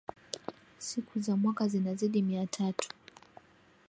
Siku za mwaka zinazidi mia tatu